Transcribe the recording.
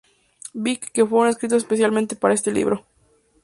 Big" que fueron escritos especialmente para este libro.